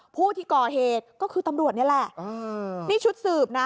ผู้ที่ก่อเหตุก็คือตำรวจนี่แหละนี่ชุดสืบนะ